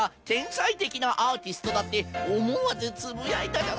さいてきなアーティストだっておもわずつぶやいたじゃないですか。